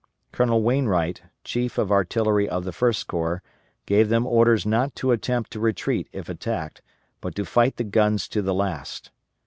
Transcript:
Colonel Wainwright, Chief of Artillery of the First Corps, gave them orders not to attempt to retreat if attacked, but to fight the guns to the last.